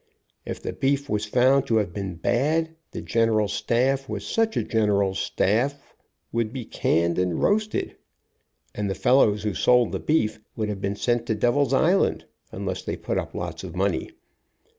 If the beef was found to have been bad, the general staff was such a general staff would be canned and roasted, and the fellows who sold the beef would have been DREYFUS AND EMBALMED BEEP 95 sent to Devil's Island, unless they put up lots of money.